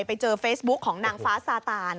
ไปเจอเฟซบุ๊คของนางฟ้าซาตาน